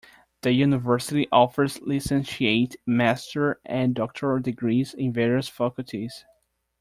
The university offers licentiate, master and doctoral degrees in various faculties.